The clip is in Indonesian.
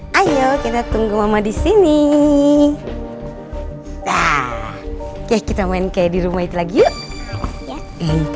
hai hai yo yo yo kita tunggu mama di sini ah kita main kayak di rumah itu lagi yuk